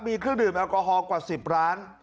มีเครื่องดื่มแอลกอฮอลกว่า๑๐ร้าน